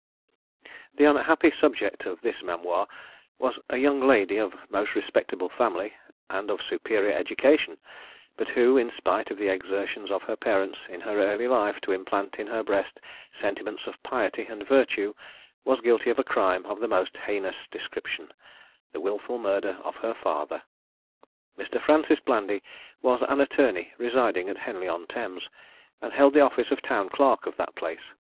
The unhappy subject of this memoir was a young lady of most respectable family, and of superior education, but who, in spite of the exertions of her parents in her early life to implant in her breast sentiments of piety and virtue, was guilty of a crime of the most heinous description the wilful murder of her father. Mr. Francis Blandy was an attorney residing at Henley on Thames, and held the office of town clerk of that place.